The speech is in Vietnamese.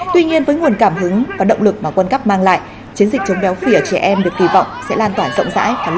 tuy nhiên với nguồn cảm hứng và động lực mà world cup mang lại chiến dịch chống béo phì ở trẻ em được kỳ vọng sẽ lan tỏa rộng rãi và lâu dài hơn tại qatar